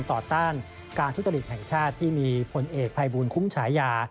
ต้านการทุจริตแห่งชาติที่มีผลเอกภัยบูลคุ้มฉายา